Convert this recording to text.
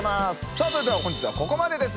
さあそれでは本日はここまでです。